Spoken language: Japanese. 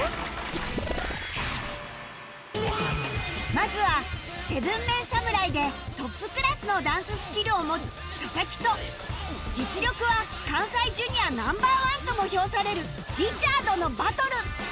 まずは ７ＭＥＮ 侍でトップクラスのダンススキルを持つ佐々木と実力は関西 Ｊｒ． ナンバーワンとも評されるリチャードのバトル！